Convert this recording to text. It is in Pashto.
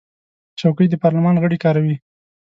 چوکۍ د پارلمان غړي کاروي.